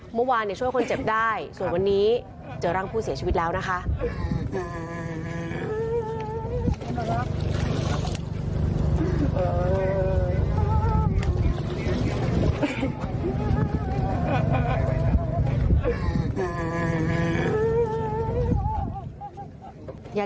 เมื่อวานช่วยคนเจ็บได้ส่วนวันนี้เจอร่างผู้เสียชีวิตแล้วนะคะ